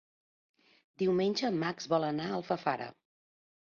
Diumenge en Max vol anar a Alfafara.